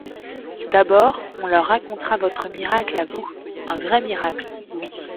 D'abord, on leur racontera votre miracle, à vous … Un vrai miracle … oui.